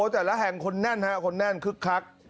แต่ละแห่งคนแน่นฮะคนแน่นคึกคัก